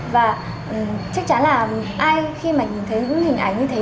và chắc chắn là ai khi mà nhìn thấy những hình ảnh như thế